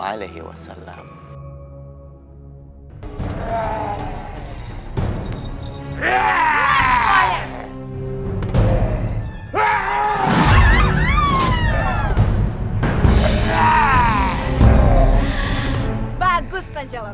hanya setiap mulutku ibu bukan seorang anak kulit yang teman